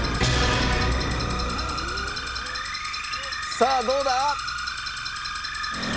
さあどうだ？